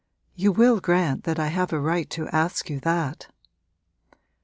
You will grant that I have a right to ask you that.'